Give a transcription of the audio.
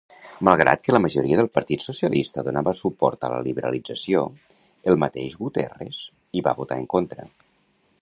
Malgrat que la majoria del partit socialista donava suport a la liberalització, el mateix Guterres hi va votar en contra.